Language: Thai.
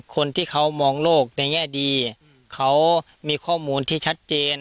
คนที่เขามองโลกในแง่ดีเขามีข้อมูลที่ชัดเจน